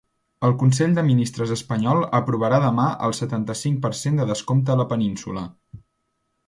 El consell de ministres espanyol aprovarà demà el setanta-cinc per cent de descompte a la península.